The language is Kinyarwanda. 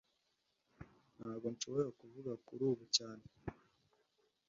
Ntago nshobora kuvuga kuri ubu cyane